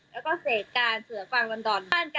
แล้วก็เสกานเสือฟังบรรดอน